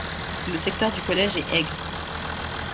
Le secteur du collège est Aigre.